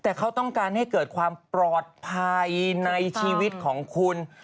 แต่เขาต้องการให้เกิดความปลอดภัยในชีวิตของคุณ